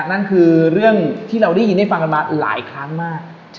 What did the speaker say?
นั่นคือเรื่องที่เราได้ยินได้ฟังกันมาหลายครั้งมาก